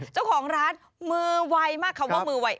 เจ้าของร้านมือไวมากคำว่ามือไว